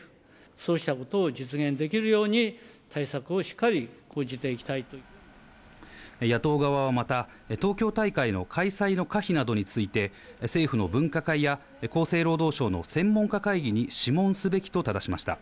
そうしたことを実現できるように、野党側はまた、東京大会の開催の可否などについて、政府の分科会や、厚生労働省の専門家会議に諮問すべきとただしました。